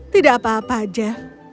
tidak apa apa jeff